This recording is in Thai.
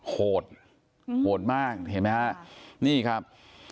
โหดโหดมากเห็นมั้ยครับนี่ครับ